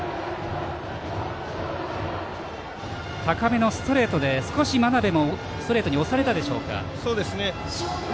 高めのストレートで少し真鍋もストレートに押されたでしょうか。